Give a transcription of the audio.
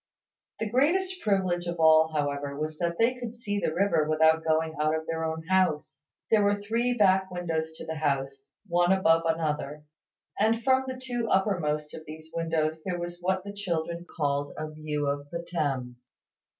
The greatest privilege of all, however, was that they could see the river without going out of their own house. There were three back windows to the house, one above another; and from the two uppermost of these windows there was what the children called a view of the Thames.